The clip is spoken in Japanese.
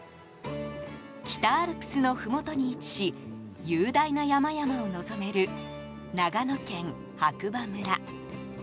北アルプスのふもとに位置し雄大な山々を望める長野県白馬村。